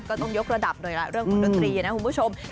ก็ต้องยกระดับหน่อยละเรื่องของดนตรีนะคุณผู้ชม